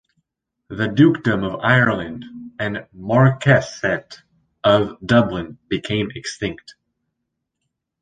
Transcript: The Dukedom of Ireland and Marquessate of Dublin became extinct.